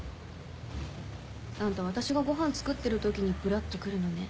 あんた私がごはん作ってる時にブラっと来るのね。